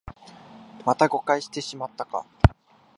また誤解してしまったか